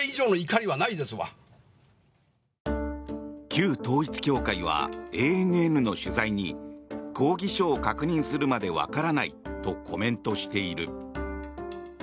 旧統一教会はＡＮＮの取材に抗議書を確認するまでわからないとコメントしている。